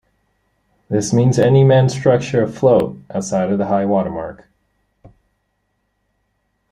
This means any manned structure afloat outside of the high-water mark.